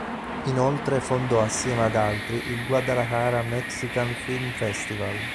Inoltre fondò assieme ad altri il "Guadalajara Mexican Film Festival".